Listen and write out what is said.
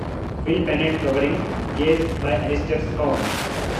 Phil Bennett covering, chased by Alistair Scown.